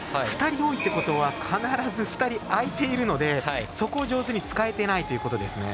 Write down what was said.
２人多いっていうことは必ず２人あいているのでそこを上手に使えていないということです。